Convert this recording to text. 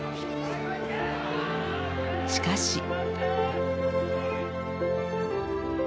しかし。